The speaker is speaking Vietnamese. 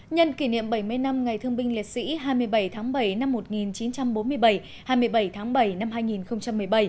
nhân kỷ niệm bảy mươi năm ngày thương binh liệt sĩ hai mươi bảy tháng bảy năm một nghìn chín trăm bốn mươi bảy hai mươi bảy tháng bảy năm hai nghìn một mươi bảy